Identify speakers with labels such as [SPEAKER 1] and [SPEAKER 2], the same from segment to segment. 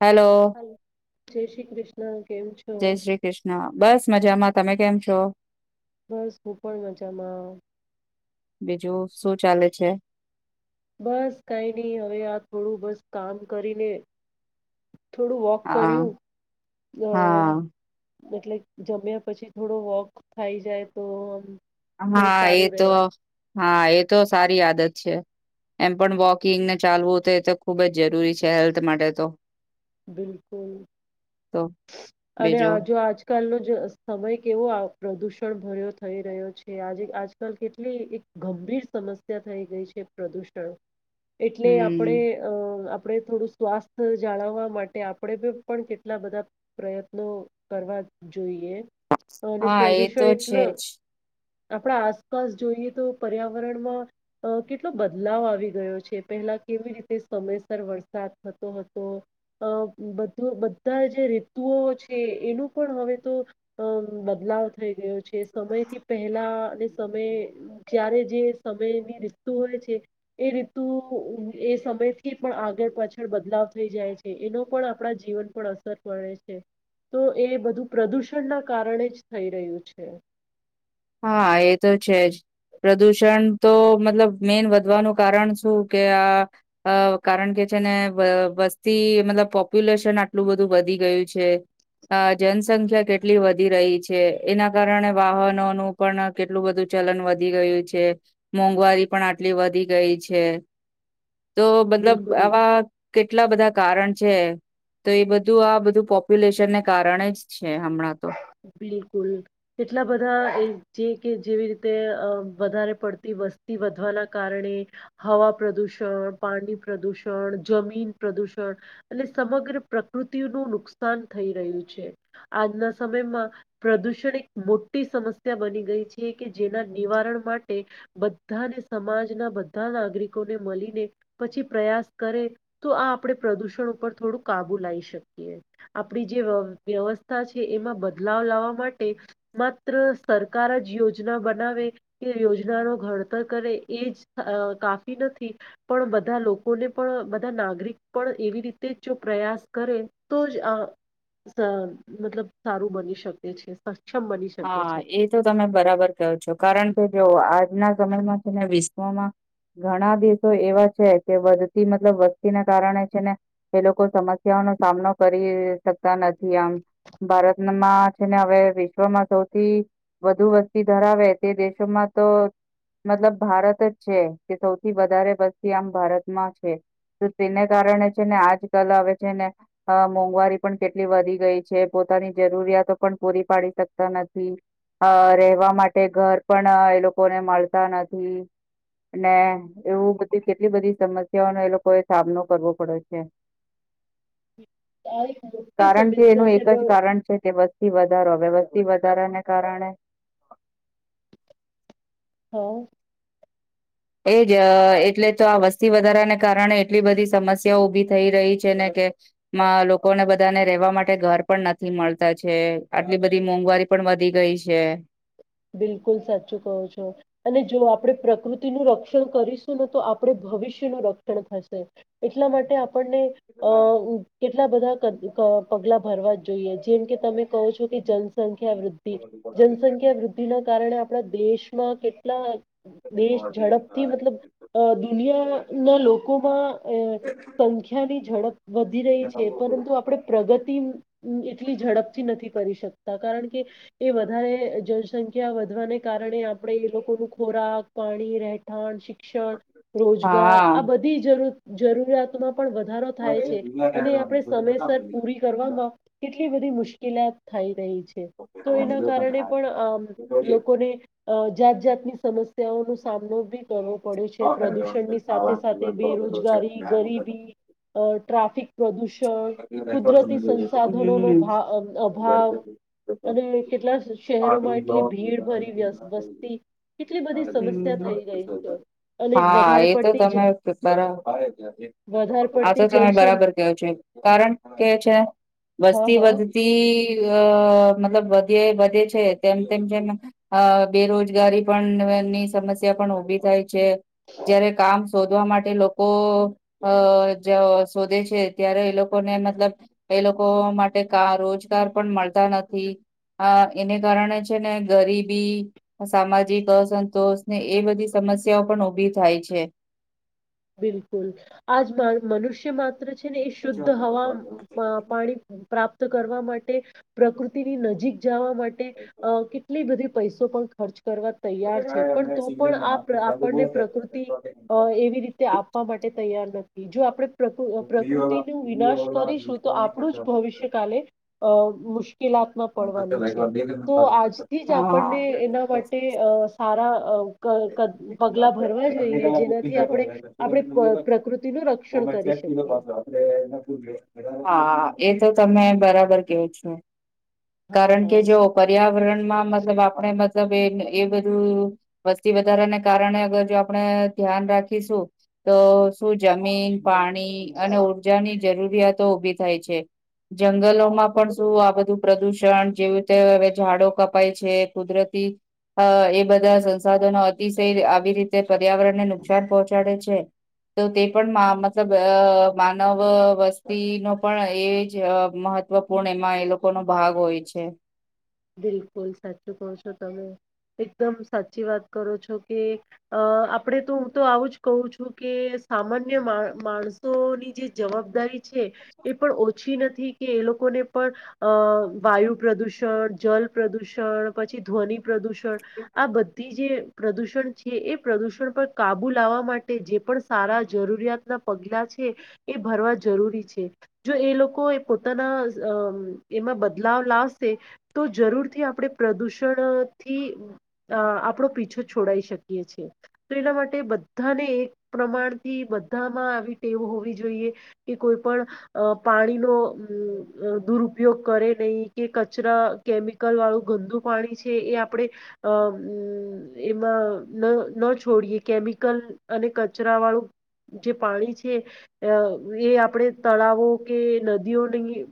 [SPEAKER 1] Hello
[SPEAKER 2] જય શ્રી કૃષ્ણ કેમ છો
[SPEAKER 1] જય શ્રી કૃષ્ણ બસ મજામાં તમે કેમ છો
[SPEAKER 2] બસ હું પણ મજામાં આવ
[SPEAKER 1] બીજું શું ચાલે છે
[SPEAKER 2] બસ કઈ ની હવે આ થોડું બસ કામ કરીને થોડું વોક
[SPEAKER 1] હા
[SPEAKER 2] કર્યું અ
[SPEAKER 1] હા
[SPEAKER 2] એટલે જમ્યા પછી થોડો વોક થાય જાય તો આમ થોડું
[SPEAKER 1] હા એ
[SPEAKER 2] સારું રહે
[SPEAKER 1] તો હા એ તો સારી આદત છે એમ પણ વોકિંગને ચાલવું તો એ તો ખુબ જ જરૂરી છે હેલ્થ માટે તો
[SPEAKER 2] બિલકુલ
[SPEAKER 1] તો
[SPEAKER 2] અને આ
[SPEAKER 1] બીજું
[SPEAKER 2] જો આજકાલ નો સમય કેવો પ્રદુષ ષણ ભર્યો થઈ રહ્યો છે આજે આજકાલ કેટલી એક ગંભીર સમસ્યા થઈ ગઈ છે પ્રદૂષણ એટલે આપણે
[SPEAKER 1] હમ
[SPEAKER 2] આપણે થોડું સ્વાસ્થ જાળવવા માટે આપણે પણ કેટલા બધા પ્રયત્નો કરવા જોઈ એ અને
[SPEAKER 1] હા એ તો
[SPEAKER 2] પ્રદુષણ
[SPEAKER 1] છે જ
[SPEAKER 2] [unintelligible] આપણા આસપાસ જોઈએ તો પર્યાવરણમાં કેટલો બદલાવ આવી ગયો છે પે પેલા કેવી રીતે સમયસર વરસાદ થતો હતો અ બધું બધા જે રેતુઓ છે એનું પણ હવે તો અ બદલ બદલાવ થઈ ગયો છે સમયથી પહેલા અને સમય જ્યારે જે સમયની રી હોય છે એ રીતુ એ સમયથી પણ આગળ પાછળ બદલાવ થઈ જાય છે એનો પણ આપણા જીવન પર અસર પડે છે તો એ બધું પ્રદૂષણના કારણે જ થઈ રહ્યું છે
[SPEAKER 1] હા એ તો છે જ પ્રદુષણ તો મતલબ મેન વધવાનું કારણ શું કે આ કારણ કે છે ને વસ્તી મતલબ પોપ્યુલેશન આટલું બધું વધી ગયું છે અ જનસંખ્યા કેટલી વધી રહી છે એના કારણે વાહનોનું પણ કેટલું બધું ચલન વધી ગયું છે મોંઘવારી પણ આટલી વધી ગઈ છે
[SPEAKER 2] [inaudible]
[SPEAKER 1] તો મતલબ
[SPEAKER 2] બિલકુલ
[SPEAKER 1] આવા કેટલા બધા કારણ છે તો એ બધું આ બધું પોપ્યુલેશનને કારણે જ છે હમણાં તો
[SPEAKER 2] બિલકુલ કેટલા બધા એ જે કે જેવી રીતે વધારે પડતી વ વસ્તી વધવાના કારણે હવા પ્રદુષણ પાણી પ્રદુષણ જમીન પ્રદુ ષણ અને સમગ્ર પ્રકૃતિ નું નુકસાન થઈ રહ્યું છે આજના સમયમાં પ્રદૂષણ એક મોટી સમસ્યા બની ગઈ છે કે જેના નિવારણ માટે બ બધાને સમાજના બધા નાગરિકોને મલીને પછી પ્રયાસ કરે તો આપણે પ્રદૂષણ ઉપર થોડું કાબુ લાવી શકીએ આપણી જે વ્યવસ્થા છે એમાં બ બદલાવ લાવવા માટે માત્ર સરકાર જ યોજના બનાવે એ યોજનાનો ઘ તર કરે એજ કાફી નથી પણ બધા લોકોને પણ બધા નાગરિક પણ એવી રીતે જ જો પ્રયાસ કરે તો જ આ મતલબ સારું બની શકે છે બની શકે
[SPEAKER 1] હા
[SPEAKER 2] છે
[SPEAKER 1] એ તો તમે બરાબર [unintelligible] છો કારણ કે જો આજના સમયમાં છે ને વિશ્વમાં ઘણા દેશો એવા છે કે વધતી મતલબ વસ્તીને કારણે છે ને એ લોકો સમસ્યા સામનો કરી શકતા નથી આમ ભારતમાં છે ને હવે વિશ વિશ્વમાં સૌથી વધુ વસ્તી ધરાવે તે દેશોમાં તો મતલબ ભારત જ છે કે સૌથી વધારે વસ્તી આમ ભારતમાં છે. તો તેને કારણે છે ને આજ કલ આવે છે ને મોંઘવારી અ પણ કેટલી વધી ગઈ છે પો તાની જરૂરિયાતો પણ પૂરી પાડી શક નથી અ રહેેવા માટે ઘર પણ એ લોકો ને મળતા નથી. ને એવું બધી કેટલી બધી સમસ્યાઓનો એ લોકોએ સામનો કરવો પડે છે.
[SPEAKER 2] [inaudible] આ એક મોટી
[SPEAKER 1] કારણ કે
[SPEAKER 2] સમસ્યા
[SPEAKER 1] એનું
[SPEAKER 2] છે
[SPEAKER 1] એક જ
[SPEAKER 2] બ
[SPEAKER 1] કારણ છે કે વસ્તી વ ધારો વધારાને કારણે
[SPEAKER 2] હ
[SPEAKER 1] એજ અ એટલે તો આ વસ્તી વધારાને કારણે એટલી બધી સમસ્યાઓ ઉભી થઈ રહી છે ને કે મા લોકોને બધાને રેવા માટે ઘર પણ નથી મળતા છે. આટલી બધી મોંઘવારી પણ પણ વધી ગઈ છે.
[SPEAKER 2] બિલકુલ સાચું કહો છો અને જો આપડે પ્રકૃતિનું રક્ષણ કરીશું ને તો આપડે ભવિષ્યનું રક્ષણ થશે. એટલા માટે આપડને અ કેટલા બધા ક પગલા ભરવા જોઈએ જેમ કે તમે કહો છો કે જન સંખ્યા વૃદ્ધિ. જનસંખ્યા વૃદ્ધિના કારણે આપણા દેશમાં કેટલા દેશ ઝડપથી મતલબ અ દુનિયાના લોકોમાં અ સંખ્યાની ઝડપ વધી રહી છે. પરંતુ આપડે પ્રગતિ તિન એટલી ઝડપથી નથી કરી શકતા કારણ કે એ વધારે જનસંખ્યા ખ્યા વધવાને કારણે આપડે એ લોકોનું ખોરાક, પાણી, રહેઠાણ, શિક શિક્ષણ, રોજગાર
[SPEAKER 1] હા
[SPEAKER 2] આ બધી જરૂ જરૂરિયાતોમાં પણ વધારો થાય છે. અને આપડે સમયસર પૂરી કરવામાં કે એટલી બધી મુશ્કેલાત થઈ રહી છે. તો એના કારણે પણ અમ લોકોને અ જાત જાતની સમસ્યાઓનો સામનો બી કરવો પડે છે. પ્રદૂષણની સાથે-સાથે બેરોજગારી, ગરીબી અ ટ્રાફિક પ્રદૂષણ કુદરતી સંસાધનોનો ભાવ અભાવ અને કેટલા શહેરોમાં
[SPEAKER 1] [unintelligible]
[SPEAKER 2] એટલી ભીડ ભરી વ્યસ વસ્તી કેટલી બધી સમસ્યા થઈ ગઈ છે અને જ
[SPEAKER 1] હા
[SPEAKER 2] વધારે
[SPEAKER 1] એ તો
[SPEAKER 2] પડતી જ
[SPEAKER 1] તમે પેપર
[SPEAKER 2] વધારે
[SPEAKER 1] આતો
[SPEAKER 2] પડતી
[SPEAKER 1] તમે
[SPEAKER 2] જનસંખ
[SPEAKER 1] બરાબર [inaudible] છે કારણ કે છે
[SPEAKER 2] હા
[SPEAKER 1] વસ્તી
[SPEAKER 2] હા
[SPEAKER 1] વધતી અ મતલબ વધે વધે છે તેમ તેમ જેમ અ બેરોજગારી પણ ની સમસ્યા પણ ઉભી થાય છે. જયારે કામ શોધવા માટે લોકો અ જ શોધે છે. ત્યારે એ લોકોને મતલબ એ લોકો માટે કા રોજગાર પણ મળતા નથી. અ એને કારણે છે ને ગરીબી, સામાજિક અસંતોષને એ બધી સમસ્યાઓ પણ ઉભી થાય છે.
[SPEAKER 2] બિલકુલ આજ મનુષ્ય માત્ર છે. ને એ શુદ્ધ હવા પા પાણી પ્રાપ્ત કરવા માટે પ્રકૃતિની નજીક જવા માટે અ કેટલી બધી પૈસો પણ ખર્ચ કરવા તૈયાર છે. પણ તો પણ આ આપડને પ્રકૃતિ એવી રી આપવા માટે તૈયાર નથી જો આપ પ્ર પ્રકૃતિનું વિનાશ કરીશું તો આપડુ જ ભવિષ્ય કાલે અ મુશ કેલાતમાં પડવાનું છે. તો આજથી જ આપડને
[SPEAKER 1] હા.
[SPEAKER 2] એના માટે અ સારા [unintelligible] પગલા ભરવા જોઈએ. જેનાથી આપણે આપડે પ પ્રકૃતિનું રક્ષણ કરી શકીએ.
[SPEAKER 1] હા એ તો તમે બરાબર કેવું છુ.
[SPEAKER 2] હા
[SPEAKER 1] કારણ કે
[SPEAKER 2] હા
[SPEAKER 1] જો પર્યાવરણમાં મતલબ આપડે મતલબ એ એ બધું વસ્તી વધારાને કારણે અગર જો આપણે ધ્યાન રાખીશું તો શું જમીન પાણી અને ઉર્જાની જરૂરિયાતો ઉભી થાય છે. જંગલોમાં પણ શું આ બધું પ્રદૂષણ જેવી રીતે હવે ઝાડો કપાય છે. કુદરતી અ એ બધા સંસાધનો અતિશય આવી રીતે પર્યાવરણ ને નુકસાન પહોંચાડે છે. [unintelligible] તો તે પણ મા મતલબ અ માનવ વસ્તીનો પણ એ જ અ મહત્વ ત્વપૂર્ણ એમાં એ લોકોનો ભાગ હોય છે.
[SPEAKER 2] બિલકુલ સાચું કહો છો તમે. એકદમ સાચી વાત કરો છો. કે અ આપડે તો હું તો આવું જ કહ છું કે સામાન્ય મા માણસોની જે જવાબદારી છે એ પણ ઓછી નથી કે એ લોકોને પણ અ વાયુ પ્રદુષણ જલ પ્રદૂષણ પછી ધ્વનિ પ્રદૂષણ
[SPEAKER 1] હમ
[SPEAKER 2] આ બધી જે પ્રદુષણ છે એ પ્રદુષણ પર કાબુ લાવવા માટે જે પણ સારા જરૂરિયાતના પગલા છે એ ભર જરૂરી છે જો એ લોકો એ પોતાના એમાં બદલાવ પણ લાવશે તો જરૂરથી આપણે પ્રદુષણથી અ આપણો પીછો છોડાઈ શકીએ છીએ તો એના માટે બધાને એક પ્રમાણથી બધામાં આવી ટેવ હોવી જોઈએ કે કોઈ પણ પાણી નો દુરુપયોગ કરે નહીં કે કચરા કેમિકલ વાળું ગંદુ પાણી છે એ આપણેે અ એમાં ન છોડીએ કેમિકલ અને કચરા વાળું જે પાણી છે એ આપણે તળાવો કે નદીઓની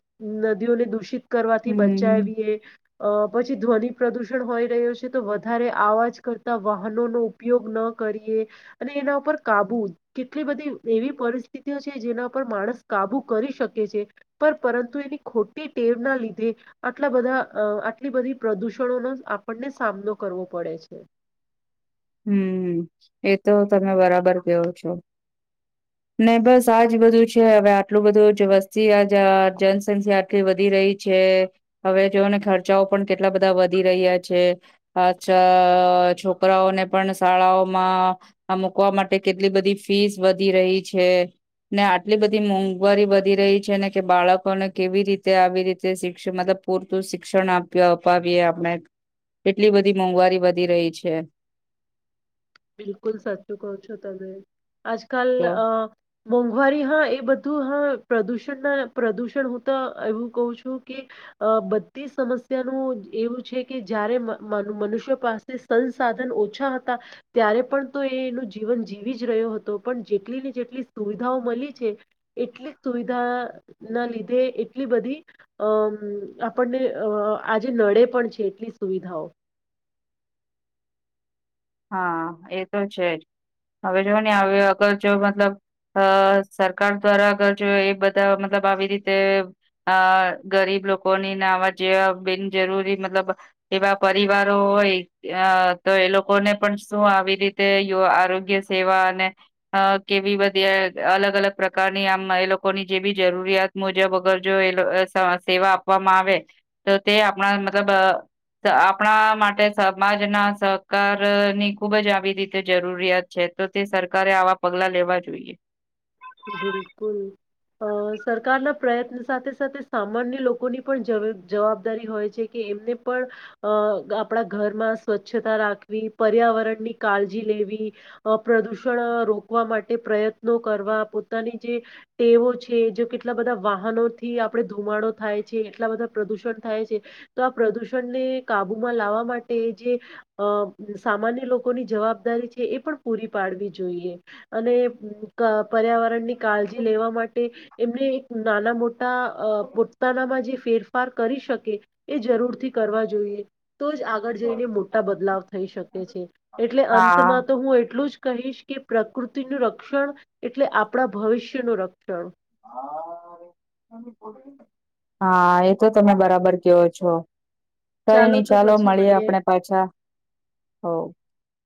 [SPEAKER 2] નદીઓને દૂષિત કરવાથી બચાવીએ અ પછી ધ્વનિ પ્રદુષણ હોય રહ્યો છે તો વધારે આવાજ કરતા વાહનોનો ઉપયોગ ન કરી અને એના ઉપ કાબુ કેટલી બધી એવી પરિસ્થિતિઓ છે જેના પર માણસ કાબુ કરી શકે છે પણ પરંતુ એની ખોટી ટેવ ના લીધે આટલા બધા અ આટલી બધી પ્રદૂષણોનો આપણને સામનો કરવો પડે છે
[SPEAKER 1] હમ એ તો તમે બરાબર કેવો છો
[SPEAKER 2] [inaudible]
[SPEAKER 1] નને બસ આજ બધું છે હવે આટલું બધું જ વસ્તી આજ જનસંખ્યા આટલી વધી રહી છે એ હવે જોને ખર્ચાઓ પણ કેટલા બધા વધી રહ્યા છે અછા છોકરાઓને પણ શાળાઓમાં આ મુકવા માટે કેટલી બધી ફીસ વધી રહી છે ને આટલી બધી મોંઘવારી વધી રહી છે ને કે બાળકોને કેવી રીતે આવી રીતે શિક્ષણ મતલબ પૂરતું શિક્ષણ આપઈ અપાવીએ આપણે એટલી બધી મોંઘવારી વધી રહી છે
[SPEAKER 2] બિલકુલ સાચું કહો છો તમે આજ કલ
[SPEAKER 1] તો
[SPEAKER 2] અ મોંઘવારી હા એ બધું હા પ્રદુષણ ના પ્રદુષણ હું તો એવું કું છું કે અ બધી સમસ્યાનું એવું છે કે જારે મનુષ્ય પાસે સંન સાધન ઓછા હતા ત્યારે પણ તો એ એનું જીવન જીવી જ રહ્યો હતો પણ જેટલી ને જેટલી સુવિધાઓ મળી છે એટલી સુવિધા ના લીધે એટલી બધી અ આપણને અ આજે નડે પણ છે એટલી સુવિધાઓ
[SPEAKER 1] હા એ તો છે જ હવે જો ને હ અગર જો મતલબ અ સરકાર દ્વારા અગર જો એ બધા મતલબ આવી રીતે અ ગરીબ લોકો ને આવા જેવા બિનજરૂરી મતલબ એવા પરિવારો હોય તો એ લોકો ને પણ શું આવી રીતે આરોગ્ય સેવા અને કેવી બધી અલગ અલગ પ્રકારની આમ એ લોકોની જે બી જરૂરિયાત મુજબ અગર જો સેવા આપવામાં આવે તો તે આપણા મતલબ આપણા માટે સમાજના સહકાર ની ખુબ જ આવી રીતે જરૂરિયાત છે તો તે સરકારે આવા પગલા લેવા જોઈએ
[SPEAKER 2] બિલકુલ અ સરકારના પ્રયત્ન સાથે સાથે સામાન્ય લોકોની પણ જવાબદારી હોય છે કે એમને પણ અ આપણા ઘરમાં સ્વચ્છતા રાખવી પર્યાવરણની કાળજી લેવી વી પ્રદૂષણ રોકવા માટે પ્રયત્નો કરવા પોતાની જે ટેવો છે જે કેટલા બધા વાહનો થી આપડે ધુમાડો થાય છે એટલા બધા પ્રદૂષણ થાય છે તો આ પ્રદુષણને કાબુમાં લાવવા માટે જે સામાન્ય લોકોની જવાબદારી છે એ પણ પૂરી પાડવી જોઈએ અને પર્યાવરણ ની કાળજી લેવા માટે એમને એક નાના મોટા અ પોતાનામાં જે ફેરફાર કરી શકે એ જરૂરથી કરવા જોઈએ તો જ આગળ જઈને મોટા બદલાવ થઈ શકે છે એટલે
[SPEAKER 1] હા
[SPEAKER 2] અંતમાં તો હું એટલું જ કહીશ કે પ્રકૃતિનું રક્ષણ એટલે આપણા ભવિષ્ય નું રક્ષણ
[SPEAKER 1] [inaudible] હા એ તો તમે બરાબર કેયો છો કઈ ની
[SPEAKER 2] તો
[SPEAKER 1] ચાલો
[SPEAKER 2] પછી
[SPEAKER 1] મળીએ
[SPEAKER 2] મને
[SPEAKER 1] આપણે પાછા હો